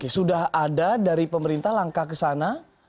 sudah ada dari pemerintah langkah ke sana